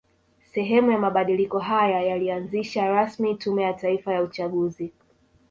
Sehemu ya mabadiliko haya yalianzisha rasmi Tume ya Taifa ya Uchaguzi